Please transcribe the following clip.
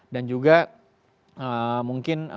dan juga mungkin